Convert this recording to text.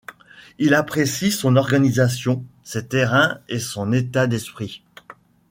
Il apprécie son organisation, ses terrains et de son état d'esprit.